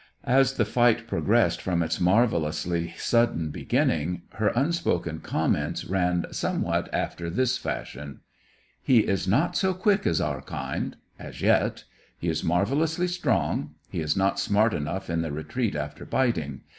As the fight progressed from its marvellously sudden beginning, her unspoken comments ran somewhat after this fashion "He is not so quick as our kind as yet. He is marvellously strong. He is not smart enough in the retreat after biting.